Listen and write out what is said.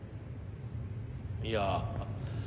いや